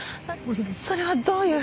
それはどういう。